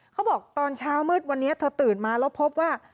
เขาบอกตอนเช้ามืดวันนี้เธอตื่นมาแล้วพบว่า